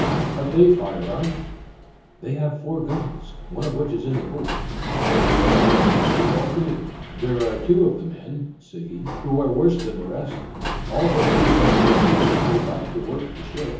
"Have they fire arms?" "They have four guns, one of which is in the boat." "Well then, leave all to me!" "There are two of the men," said he, "who are worse than the rest. All but these I feel sure would go back to work the ship."